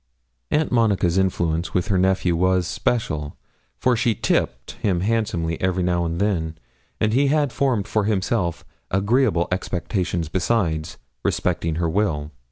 Aunt Monica's influence with her nephew was special, for she 'tipped' him handsomely every now and then, and he had formed for himself agreeable expectations, besides, respecting her will.